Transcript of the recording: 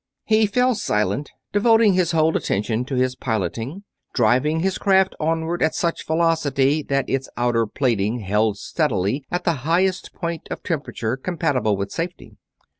He fell silent, devoting his whole attention to his piloting, driving his craft onward at such velocity that its outer plating held steadily at the highest point of temperature compatible with safety.